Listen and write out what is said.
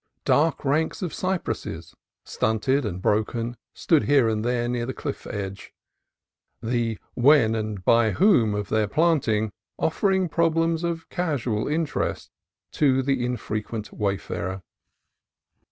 Dark ranks of cypresses, stunted and broken, stood here and there near the cliff edge, the when and^the by whom of their planting offering problems of casual interest to the infrequent wayfarer.